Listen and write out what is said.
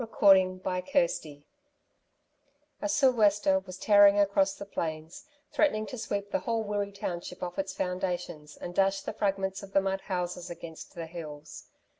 CHAPTER XXVII A sou'wester was tearing across the plains, threatening to sweep the whole Wirree township off its foundations and dash the fragments of the mud houses against the hills.